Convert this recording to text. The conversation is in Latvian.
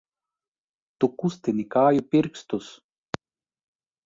Tu kustini kāju pirkstus!